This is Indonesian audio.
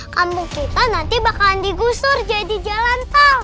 kampung kita nanti bakalan digusur jadi jalan tol